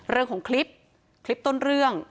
เรื่องของคลิปคลิปต้นเรื่อง